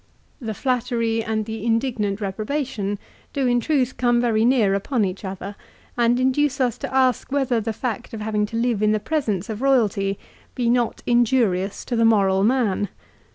The flattery and the indignant reprobation do in truth come very near upon each other, and induce us to ask whether the fact of having to live in the presence of royalty be not injurious to the moral man.